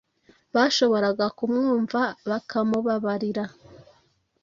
bashoboraga kumwumva bakamubabarira